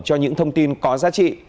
cho những thông tin có giá trị